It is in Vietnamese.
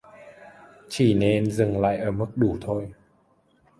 Chỉ nên dừng lại ở mức đủ thôi